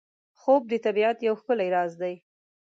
خوب د طبیعت یو ښکلی راز دی